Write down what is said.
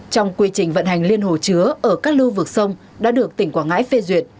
trong quy trình vận hành liên hồ chứa ở các lưu vực sông đã được tỉnh quảng ngãi phê duyệt